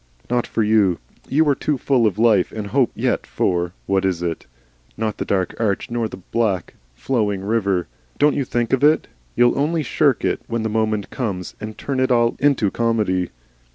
"Not for you. You are too full of life and hope yet for, what is it? not the dark arch nor the black flowing river. Don't you think of it. You'll only shirk it when the moment comes, and turn it all into comedy."